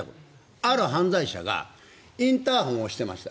ある犯罪者がインターホンを押してました。